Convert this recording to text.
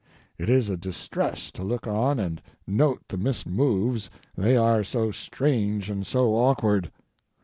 It is a distress to look on and note the mismoves, they are so strange and so awkward.